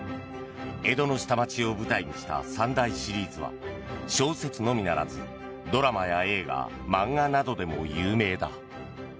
江戸の下町を舞台にした三大シリーズは小説のみならずドラマや映画、漫画などでも有名だ。